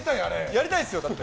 やりたいですよ。